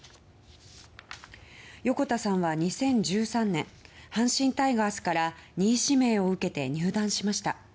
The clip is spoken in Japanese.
横田さんは２０１３年阪神タイガースから２位指名を受けて入団しました。